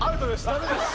ダメです。